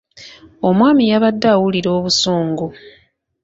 Omwami yabadde awulira obusungu.